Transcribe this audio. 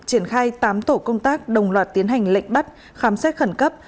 triển khai tám tổ công tác đồng loạt tiến hành lệnh bắt khám xét khẩn cấp